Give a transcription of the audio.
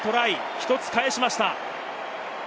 １つ返しました。